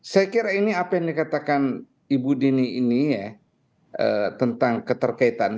saya kira ini apa yang dikatakan ibu dini ini ya tentang keterkaitan